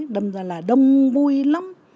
đâm ra là đông vui lắm